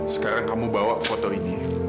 sekarang kamu bawa foto ini